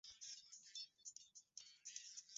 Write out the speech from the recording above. kutunza shamba la viazi lishe kuna toa mavuno bpra